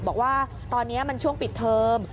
บอกว่าตอนนี้มันช่วงปิดเทอม